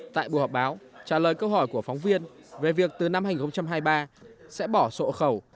tại buổi họp báo trả lời câu hỏi của phóng viên về việc từ năm hai nghìn hai mươi ba sẽ bỏ sổ khẩu